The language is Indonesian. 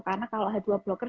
karena kalau h dua blocker